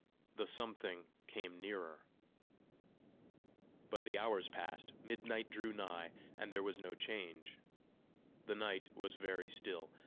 The something came nearer. But the hours passed, midnight drew nigh, and there was no change. The night was very still.